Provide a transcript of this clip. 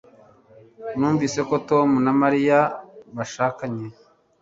Numvise ko Tom na Mariya bashakanye